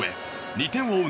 ２点を追う